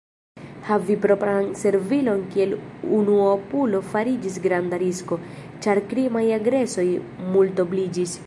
Havi propran servilon kiel unuopulo fariĝis granda risko, ĉar krimaj agresoj multobliĝis.